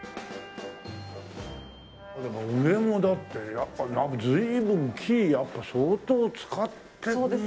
上もだってやっぱりなんか随分木やっぱ相当使ってるんだ。